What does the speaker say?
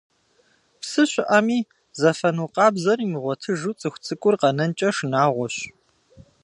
Псы щыӀэми, зэфэну къабзэр имыгъуэтыжу цӀыху цӀыкӀур къэнэнкӀэ шынагъуэщ.